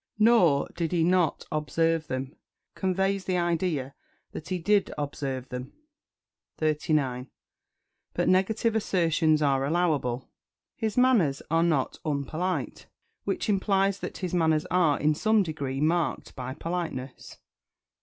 "Nor did he not observe them," conveys the idea that he did observe them. 39. But negative assertions are allowable. "His manners are not unpolite," which implies that his manners are, in some degree, marked by politeness.